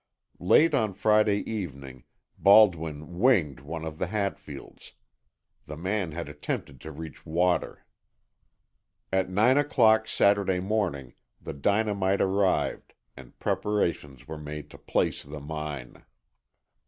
Late on Friday evening Baldwin "winged" one of the Hatfields. The man had attempted to reach water. At nine o'clock Saturday morning, the dynamite arrived and preparations were made to place the mine.